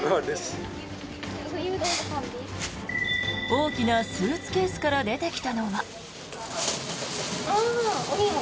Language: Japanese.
大きなスーツケースから出てきたのは。